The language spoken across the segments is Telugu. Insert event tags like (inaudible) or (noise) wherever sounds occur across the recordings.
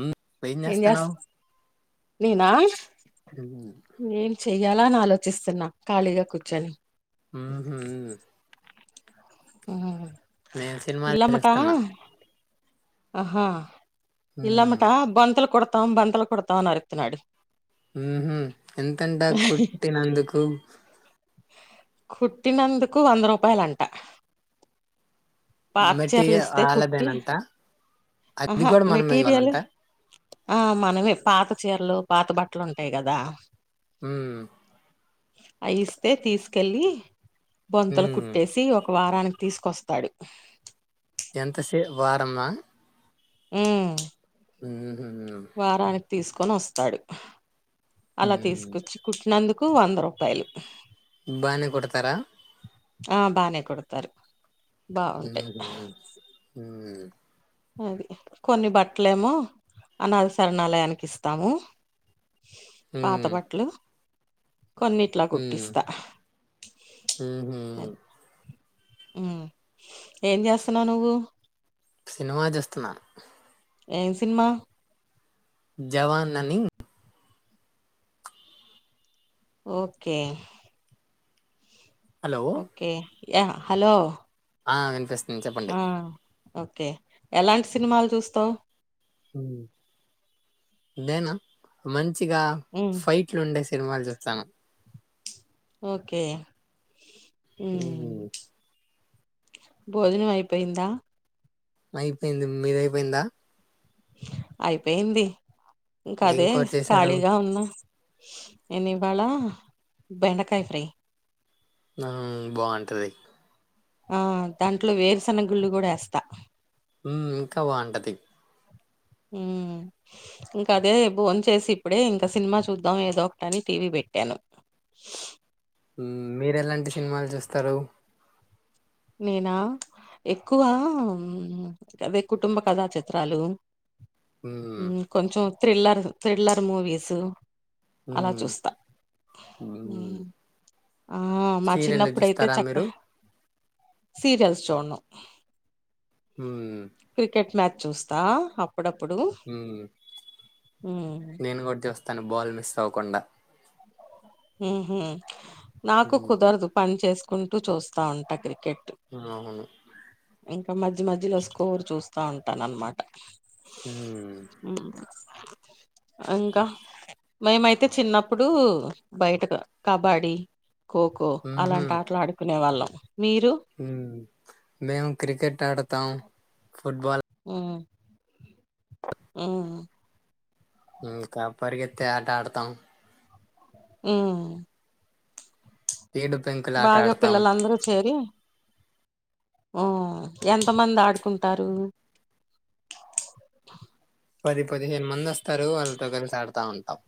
ఉమ్ ఏం జేస్త చేస్తున్నావ్ నేనా ఎలాని ఆలోచిస్తున్నా ఖాళీగా కూర్చొని ఆహా నేను సినిమాలు ఇలామాటా చూస్తున్నా ఆహా ఉమ్ ఇలామాటా బొంతలు కొడతాము బొంతలు కొడతాము అరుస్తన్నాడు ఉహ ఎంతంటా కుట్టినందుకు కుట్టినందుకు వంద రూపాయలంట పాత మెట్టి చిరలిస్తే కుట్టి వాళ్ళదేనంట అది ఆహా కూడా మనమే మెటీరియల్ ఇవ్వాలంట ఆ మనమే పాత చీరలు పాత బట్టలు ఉంటాయి కదా ఉం అవి ఇస్తే తీసుకెళ్ళి బొంతలు ఉమ్ కుట్టేసి ఒక వారానికి తీసుకొస్తాడు ఎంత సేపూ వారమా ఉమ్ ఆ కొని వస్తాడు అలా ఉమ్ తీసుకొచ్చి కుట్టినందుకు వంద రూపాయలు బానే కొడతారా ఆ బానే కొడతారు హ్మ్ము హ్మ్మ్ అది కొన్ని బట్టలేమో అనాద శరణాలయానికి ఇస్తాము పాత ఉమ్ బట్టలు కొన్నిట్లా ఉమ్ కుట్టిస్తా ఉహు అది హ్మ్మ్ ఏం చేస్తున్నావు నువ్వు సినిమా చూస్తున్నాను ఏం సినిమా జవాన్ అని okay hello okay yeah hello వినిపిస్తుంది చెప్పండి ఆ ఓకే ఎలాంటి సినిమాలు చూస్తావ్ నేనా మంచిగా ఉమ్ ఫైట్లు ఉండేసి సినిమాలు చూస్తాను ఓకే ఉమ్ బోజనం అయిపోయిందా అయిపోయింది మీది అయిపోయిందా అయిపోయింది ఇంకా అదే ఇంకోటి చేశారు ఖాళీగా ఉన్నా ఎని ఇవాళ బెండకాయ ఫ్రై ఆ బాగుంటుంది ఆ దాంట్లో వేరుశనగుళ్ళు కూడా వేస్తా ఇంకా బాగుంటది ఉమ్ ఇంకా అదే భోన్ చేసి ఇప్పుడే ఇంకా సినిమా చూద్దాం ఏదో ఒకటని టీవీ పెట్టి తను మీరెలాంటి సినిమాలు చూస్తారు నేనా ఎక్కువ అదే కుటుంబ కథా చిత్రాలు ఉమ్, కొంచెం థ్రిల్లర్ థ్రిల్లర్ మూవీసు అలా ఉమ్, చూస్తా ఉమ్. హ్మ్మ్ ఆ మా సీరియల్ చిన్నప్పుడయితే చూస్తారా చక్క మీరు సీరియల్స్ చూడను హ్మ్మ్ క్రికెట్ మ్యాచ్ చూస్తా ఉమ్. అప్పుడప్పుడుహ్మ్మ్ తను బాల్ మిస్ అవ్వకుండా ఉహూ నాకు ఉమ్, కుదరదు పని చేసుకుంటూ చూస్తా ఉంట క్ర కెట్టు అవును ఇంకా మధ్య మధ్యలో స్కోర్ చూస్తా ఉంటాననమాట హుమ్ ఇంకా మేమైతే చిన్నప్పుడు బయటకు కబడీ ఖోఖో అలాంటి ఆటలు ఆడుకునే వాళ్ళం మీరు హుమ్ మేం క్రికెట్ ఆడతాం ఫుట్బాల్ ఉ హుమ్ ఇంకా పరిగెత్తే ఆట ఆడతాం హ్మ్మ్ ఏడు పెంకులాట బాగా ఆడతాం పిల్లలందరూ చేరి ఆ ఎంత మంది ఆడుకుంటారు పది పదిహేను మంది వస్తారు వాళ్ళతో కలిసి ఆడతా ఉంటాం.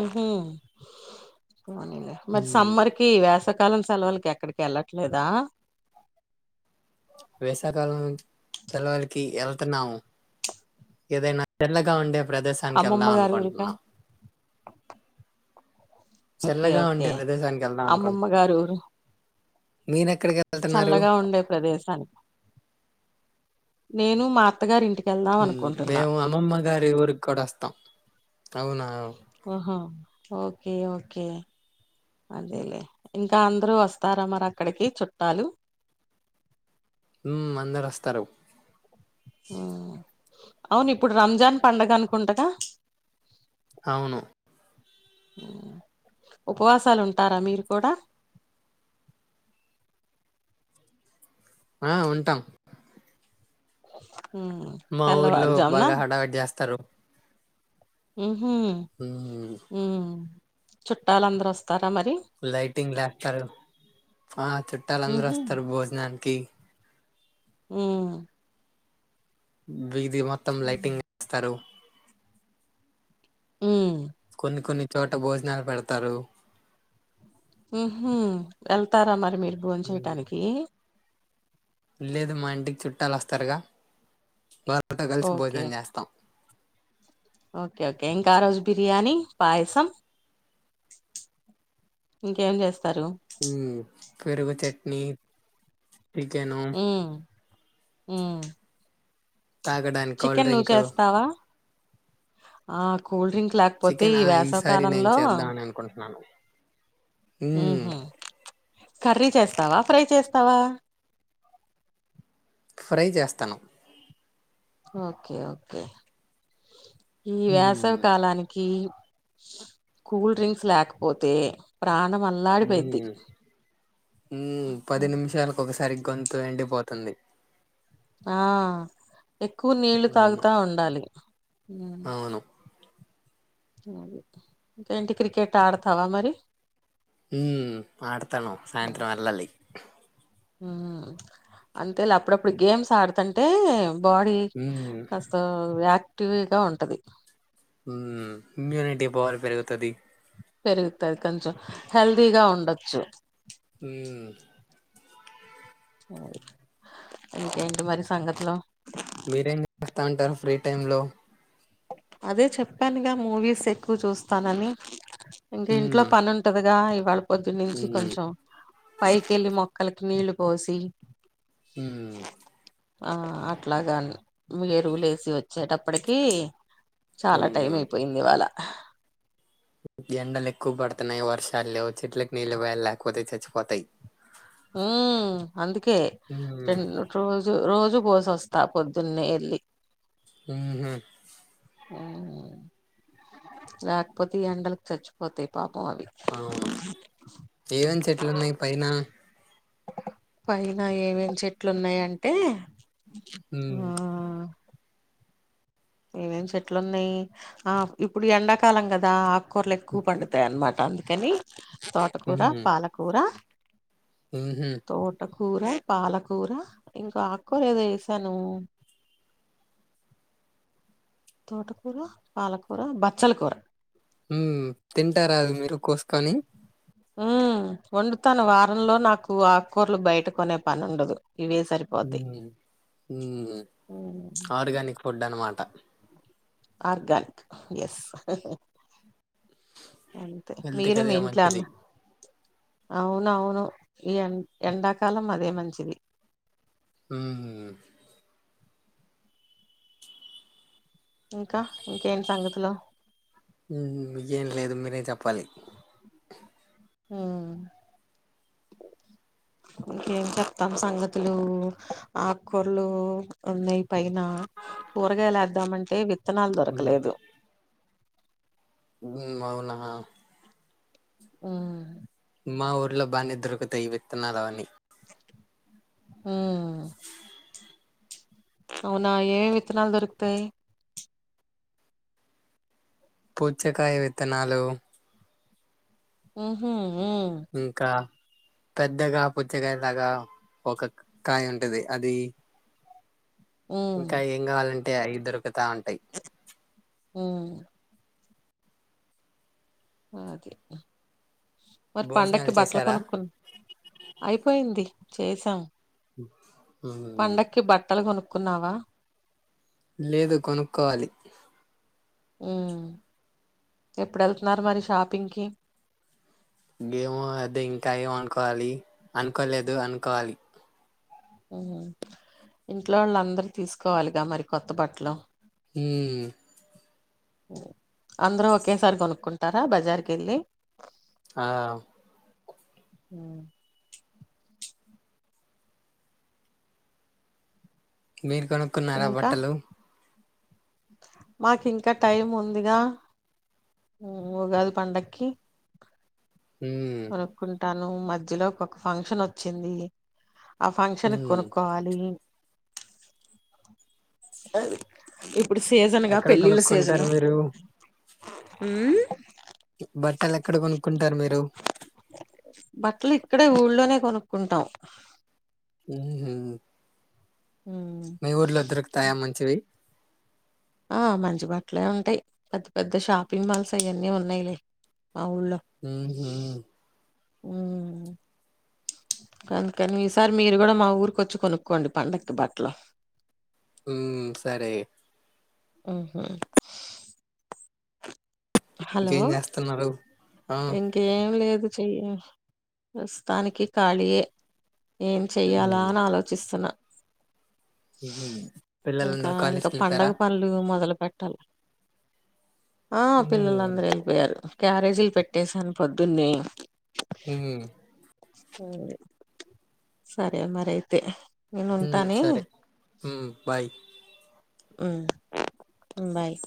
ఊహు పోనీలే మరి ఉమ్. సమ్మర్కి వేస కాలం సెలవులకి ఎక్కడికి వెళ్ళట్లేదా? వేసాకాలం సెలవులకి వెళ్తన్నాము. ఏదైనా తెల్లగా ఉండే ప్రదేశానికి వెళ్దా అమ్మమ్మ గారి ఊరికా అనుకుంటున్నా. ఓకే చల్లగా ఓకే ఉండే ప్రదేశానికి వెళ్దా అమ్మమ్మ అనుకుంటున్నాం గారు ఊరు నేనై చల్లగా ఉండే ప్రదేశానికి నేను మా అత్తగారి ఇంటి ఉమ్ అమ్మమ్మ గారి ఊరిక్కూడా అస్తాం అవునా? ఆహా ఓకే ఓకే అదేలే ఇంకా అందరూ వస్తారా మరి అక్కడికి చుట్టాలు. (inaudible) ఉమ్ అందరు వస్తరు. అవును ఇప్పుడు రంజాన్ పండగ అనుకుంటగా అవును ఉపవాసాలుంటారా మీరు కూడా (inaudible) ఆ ఉంటాం. ఉమ్ మా ఊర్లో తెల్లవారు జామున బాగా హడావిడి చేస్తారు ఊహు ఉమ్ చుట్టాలు అందరు వస్తార్ లైటింగ్ లేత్తారు ఆ చుట్టాలందరు ఉహు వస్తారు భోజనానికి ఉమ్ బీది మొత్తం లైటింగ్ ఏస్తరు. ఉమ్ కొన్ని కొన్ని చోట భోజనాలు పెడతారు. ఉహు వెళ్తారా మరి మీరు భోన్ చెయ్యటానికి లేదు మా ఇంటికి చుట్టాలు వస్తారుగా వాల్ తట కలిసి ఓకే భోజనం చేస్తాం. ఓకే ఓకే ఇంకా ఆ రోజ బిర్యానీ పాయసం ఇంకేం చేస్ ఉమ్ పెరుగు చెట్నీ పికెను ఉమ్ ఉమ్ తాగడానికి కూల్ చికెన్ నువ్వు డ్రింక్ చేస్తావా? ఆ కూల్డ్రింక్ లేక్పోతే చికెన్ ఈ ఆ ఈసారి నేను వేసాకాలంలో చేద్దామని అనుకుంటున్నాను మ్మ్ ఊహు కర్రీ చేస్తావా ఫ్రై చేస్తావా? ఫ్రై చేస్తాను. ఓకే ఓకే ఈ వేసవి మ్మ్ కాలానికి కూల్డ్రింక్స్ లేకపోతే ప్రాణం అల్లాడిపోయిద్ది. మ్మ్ మ్మ్ పది నిమిషాలకు ఒకసారి గొంతు ఎండిపోతుంది. ఆ ఎక్కువ నీళ్లు అవును తాగుతా ఉండాలి. అవును అది ఏంటి క్రికెట్ ఆడతావా మరి? ఉమ్ ఆడతను సాయంత్రం వెళ్ళాలి. ఊహు. అంతేలా అప్పుడప్పుడు గేమ్స్ ఆడతుంటే బాడీ మ్మ్ కాస్త యాక్టివ్గా ఉంటది. ఉమ్ ఇమ్యూనిటీ పవర్ పెరుగుతది. పెరుగుతది కొంచెం హెల్దీగా ఉండొచ్చు. హ్మ్ అది ఇకేంటి మరి సంగత్లు మీరేం చేస్తా ఉంటారు ఫ్రీ టైమ్ లో అదే చెప్పానుగా మూవీస్ ఎక్కువ చూస్తానని ఇంకా ఇంట్లో హ్మ్ పని ఉంటదిగా ఇవాళ పొద్దున్నుంచి హ్మ్ కొంచెం పైకెళ్ళలి మొక్కలకి నీళ్లు పోసి హ్మ్ ఆ అట్లాగా ఏరుగులేసి వచ్చేటప్పటికి చాలా టైం హ్మ్ అయిపోయింది ఇవాళ ఎండలు ఎక్కువ పడుతున్నాయి వర్షాలు లేవు చెట్లకి నీళ్ళు పోయాలి లేకపోతే చచ్చిపోతాయి హ్మ్ అందుకే హ్మ్ రెండు రోజు రోజు పోసి వస్తా పొద్దునే వెళ్ళి మ్మ్ హ్మ్ హ్మ్ లేకపోతే ఈ ఎండలకు చచ్చిపోతాయి పాప అవును ఏమేం చెట్లు ఉన్నాయి పైన పైన ఏమేం చెట్లున్నాయంటే హ్మ్ ఆ ఏమేం చెట్లు ఉన్నాయి ఆ ఇప్పుడు ఎండాకాలం కదా ఆకూరలు ఎక్కువ పండుతాయి అన్నమాట అందుకని తోటకూర పాలకూర మ్మ్ హ్మ్ కూర పాలకూర ఇంకో ఆకూర ఏదో వేసాను తోటకూర పాలకూర బచ్చల కూర హ్మ్ తింటారా అది మీరు కోసుకొని మ్మ్ వండుతాను వారంలో నాకు ఆకూరలు బయట కొనే పని ఉండదు ఇవే సరిపోతాయి హ్మ్ ఆర్గానిక్ ఫుడ్ అనమాట ఆర్గనిక్ ఎస్ అంతే హెల్త్ మీరు కదే మీ ఇంట్లో అన్న మంచిది అవునవును ఈ ఎండాకాలం అదే మంచిది హ్మ్ ఇంకా ఇంకేంటి సంగతులు ఏం లేదు మీరేం చెప్పాలి మ్మ్ ఇంకేం చెతాను సంగతులు ఆకూరలు ఉన్నాయి పైన కూరగాయలుద్దామంటే విత్తనాలు హ్మ్ దొరకలేదు మ్మ్ హ్మ్ అవునా హ్మ్ మా ఊర్లో బానే డోరూకుతాయి ఈ వితన్నాలు అవి అన్ని హ్మ్ అవునా ఏ వితునాలు దొరుకుతయి పూచ్చకాయ విత్తనాలు మ్మ్ హ్మ్ ఇంకా పెద్దగా పుచ్చకాయ లాగా ఒక కాయ ఉంటది అది ఉమ్ ఇంకా ఏం కావాలంటే అవి దొరుకుతా ఉంటాయి ఉమ్ అదే మరి భోజనాలు పండక్కి బట్టలు చేసారా కొనుక్కుని అయిపోయింది చేసాం మ్మ్ పండక్కి బట్టలు కొనుక్కున్నావా లేదు కొనుక్కోవాలి హ్మ్ ఎప్పుడు వెళ్తున్నారు మరి షాపింగ్కి గేమో అదే ఇంకా ఏమ అనుకోవాలి అనుకోలేదు అనుకోవాలి ఇంట్లో వాళ్ళు అందరు తీసుకోవాలిగా మరి కొత్త బట్టలు హ్మ్ అందరూ ఒకేసారి కొనుక్కుంటారా బజార్కి వెళ్ళి ఆ మ్మ్ మీరు కొనుక్కున్నారా ఇంకా బట్టలు మాకు ఇంకా టైం ఉందిగా ఉగాది పండక్కి ఉమ్మ్ ఉంటాను మధ్యలో ఒక ఒక ఫంక్షన్ వచ్చింది ఆ ఫంక్షన్కి మ్మ్ కొనుక్కోవాలి అ ఇప్పుడు సీజన్గా ఎక్కడ పెళ్ళిళ్ళ సీజను కొనుక్కుంటారు మీరు బట్టలు ఎక్కడ కొనుక్కుంటారు మీరు బట్టలు ఇక్కడే ఊళ్ళోనే కొనుక్కుంటాం ఉమ్మ్ మీ ఊర్లో దొరుకుతాయా మంచివి ఆ మంచి బట్టలే ఉంటాయి పెద్ద పెద్ద షాపింగ్ మాల్స్ అవన్నీ ఉన్నాయిలే ఊహు ఊమ్మ్ కాందుకని ఈసారి మీరు కూడా మా ఊరికొచ్చి కొనుక్కోండి పండగకి బట్టలు ఉ సరే అయితే ఊహు హలో ఇంకేం చేస్తున్నారు ఆ ఇంకేం లేదు చెయ్య పస్తాననికి కాలియే ఏం చెయ్యాలా ఉమ్ అని ఆలోచిస్తున్నా ఉహు ఇంకా పిల్లలందరూ ఇంకా కాలేజ్కి వెళ్ళిపోయారా పండగ పనులు మొదలు పెట్టాలి ఆ ఉమ్ పిల్లలుందరూ వెళ్ళిపోయారు క్యారేజీలు పెట్టేేశాను పొద్దున్నే ఉహు సరే మరియితే నేను ఉంటానే ఊ బాయ్ ఉ బాయ్